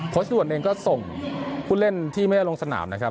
ด่วนเองก็ส่งผู้เล่นที่ไม่ได้ลงสนามนะครับ